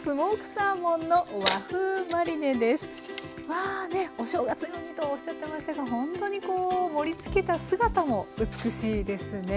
わあねっお正月用にとおっしゃってましたがほんとにこう盛りつけた姿も美しいですね。